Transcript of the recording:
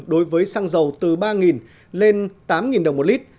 đối với xăng dầu từ ba lên tám đồng một lít